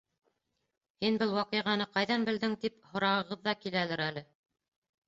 Һин был ваҡиғаны ҡайҙан белдең, тип һорағығыҙ ҙа киләлер әле.